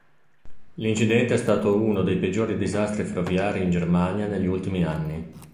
L'incidente è stato uno dei peggiori disastri ferroviari in Germania negli ultimi anni.